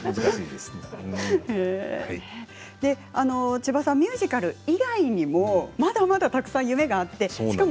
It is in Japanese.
千葉さんミュージカル以外にもまだまだたくさん夢があってしかも